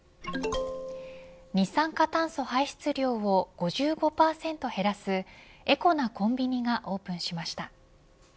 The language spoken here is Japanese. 二酸化炭素排出量を５５％減らすエコなコンビニがオープンしました。